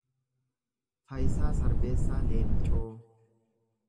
Fayisaa Sarbeessaa Leencoo